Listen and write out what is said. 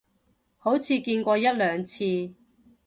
好似見過一兩次